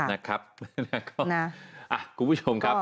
นะครับคุณผู้ชมครับ